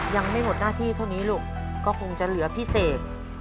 ยังไม่หมดหน้าที่เท่านี้ลูกก็คงจะเหลือพิเศษ